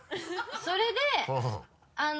それであの。